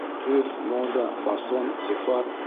Төҫ, мода, фасон, сифат